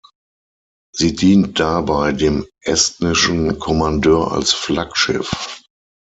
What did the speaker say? Sie dient dabei dem estnischen Kommandeur als Flaggschiff.